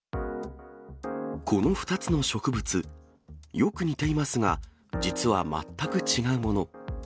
この２つの植物、よく似ていますが、実は全く違うもの。